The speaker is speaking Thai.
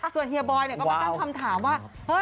ส่วนเฮียบอยก็มาตั้งคำถามว่า